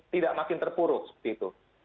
tidak makin terpuruk seperti itu